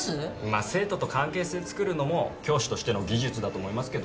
まあ生徒と関係性つくるのも教師としての技術だと思いますけど。